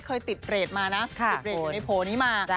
เคยติดเรทมานะติดเรทอยู่ในโผล่นี้มา